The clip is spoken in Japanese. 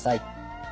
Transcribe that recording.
はい。